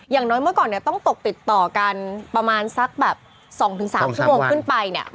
อย่างน้อยเมื่อก่อนเนี่ยต้องตกติดต่อกันประมาณสักแบบ๒๓ชั่วโมงขึ้นไปเนี่ย